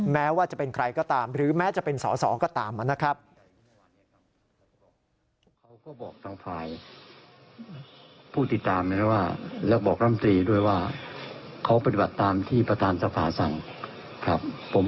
แม้ว่าจะเป็นใครก็ตามหรือแม้จะเป็นสอสอก็ตามนะครับ